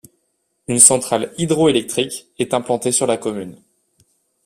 Une centrale hydroélectrique est implantée sur la commune.